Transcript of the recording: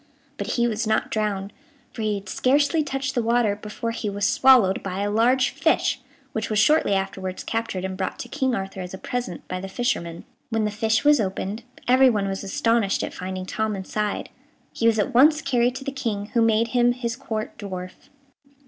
But he was not drowned, for he had scarcely touched the water before he was swallowed by a large fish, which was shortly afterwards captured and brought to King Arthur, as a present, by the fisherman. When the fish was opened, everyone was astonished at finding Tom inside. He was at once carried to the King, who made him his Court dwarf.